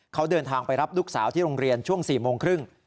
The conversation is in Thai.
เขาเดินทางไปรับลูกสาวที่โรงเรียนช่วง๔โมงครึ่ง